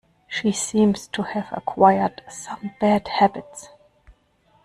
She seems to have acquired some bad habits